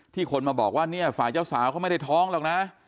คนมาบอกว่าเนี่ยฝ่ายเจ้าสาวเขาไม่ได้ท้องหรอกนะ